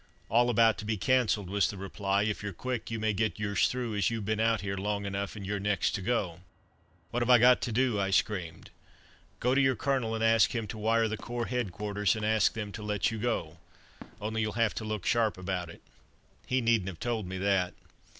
"All about to be cancelled," was the reply. "If you're quick, you may get yours through, as you've been out here long enough, and you're next to go." "What have I got to do?" I screamed. "Go to your Colonel, and ask him to wire the Corps headquarters and ask them to let you go; only you'll have to look sharp about it." He needn't have told me that.